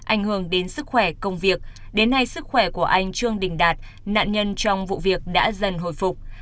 ảnh hưởng đến sức khỏe công việc đến nay sức khỏe của anh trương đình đạt nạn nhân trong vụ việc đã dần hồi phục